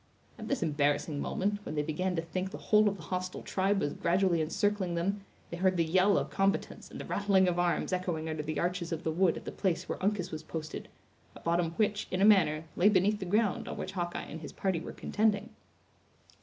At this embarrassing moment, when they began to think the whole of the hostile tribe was gradually encircling them, they heard the yell of combatants and the rattling of arms echoing under the arches of the wood at the place where Uncas was posted, a bottom which, in a manner, lay beneath the ground on which Hawkeye and his party were contending.